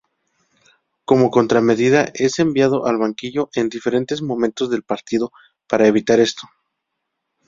Como contramedida, es enviado al banquillo en diferentes momentos del partido para evitar esto.